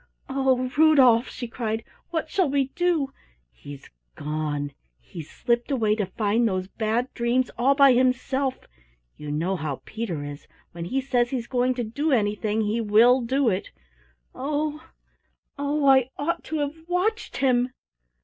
"Oh, Rudolf," she cried, "what shall we do? He's gone he's slipped away to find those Bad Dreams all by himself you know how Peter is, when he says he's going to do anything, he will do it. Oh, oh, I ought to have watched him!"